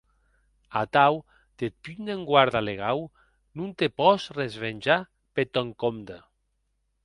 Atau, deth punt d’enguarda legau, non te pòs resvenjar peth tòn compde.